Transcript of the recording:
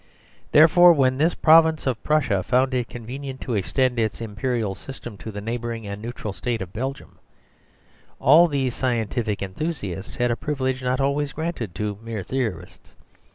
Therefore when this province of Prussia found it convenient to extend its imperial system to the neighbouring and neutral State of Belgium, all these scientific enthusiasts had a privilege not always granted to mere theorists.